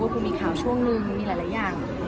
คือมีข่าวช่วงนึงมีหลายอย่าง